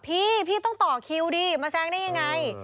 พี่พี่ต้องต่อคิวดิมาแซงได้ยังไง